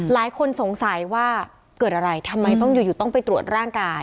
หลายคนสงสัยว่าเกิดอะไรทำไมต้องอยู่ต้องไปตรวจร่างกาย